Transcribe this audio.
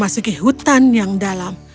dia masuk ke hutan yang dalam